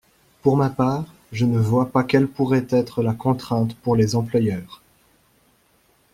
Pour ma part, je ne vois pas quelle pourrait être la contrainte pour les employeurs.